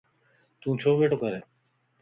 تو ڇو ٻيھڻو ڪرين؟